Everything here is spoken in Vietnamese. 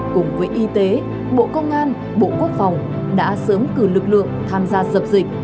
cùng với y tế bộ công an bộ quốc phòng đã sớm cử lực lượng tham gia dập dịch